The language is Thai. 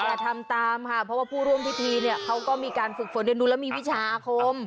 อย่าทำตามค่ะเพราะว่าผู้ร่วมพิธีเนี่ยเขาก็มีการฝึกฝนเรียนดูแล้วมีวิชาอาคม